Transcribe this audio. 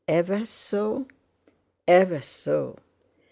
"Ever so?" "Ever so!"